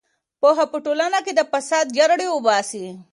پوهه په ټولنه کې د فساد جرړې وباسي.